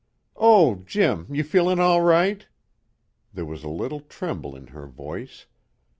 "Oh, Jim, you feelin' all right?" There was a little tremble in her voice.